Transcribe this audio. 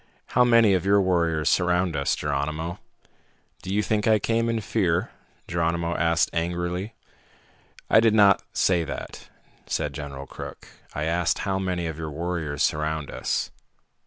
"How many of your warriors surround us, Geronimo?" "Do you think I came in fear?" Geronimo asked angrily. "I did not say that," said General Crook. "I asked how many of your warriors surround us."